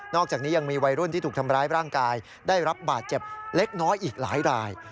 อกจากนี้ยังมีวัยรุ่นที่ถูกทำร้ายร่างกายได้รับบาดเจ็บเล็กน้อยอีกหลายราย